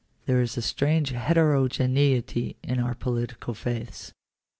§ 6. There is a strange heterogeneity in our political faiths.